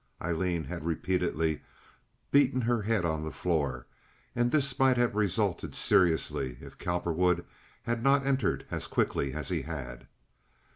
Aileen had repeatedly beaten her head on the floor, and this might have resulted seriously if Cowperwood had not entered as quickly as he had.